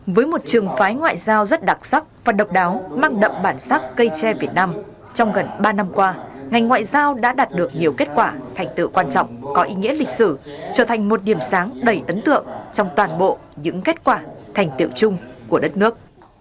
với một trường phái ngoại giao rất đặc sắc và độc đáo mang đậm bản sắc cây tre việt nam trong gần ba năm qua ngành ngoại giao đã đạt được nhiều kết quả thành tựu quan trọng có ý nghĩa lịch sử trở thành một điểm sáng đầy ấn tượng trong toàn bộ những kết quả thành tiệu chung của đất nước